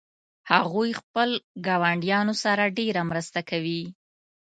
هغوی خپل ګاونډیانو سره ډیره مرسته کوي